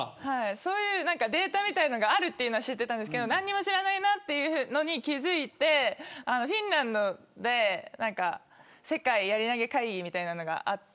そういうデータみたいなものがあるというのは知ってましたけど何にも知らないなというのに気付いてフィンランドで世界やり投げ会議みたいなのがあって。